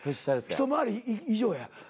ひと回り以上や。